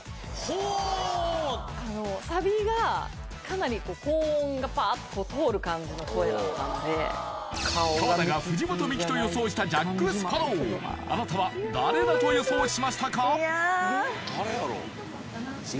ほーっサビがかなり高音がパーッと通る感じの声だったので川田が藤本美貴と予想したジャック・スパロウあなたは誰だと予想しましたか？